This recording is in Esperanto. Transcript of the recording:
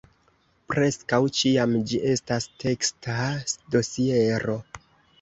Preskaŭ ĉiam ĝi estas teksta dosiero.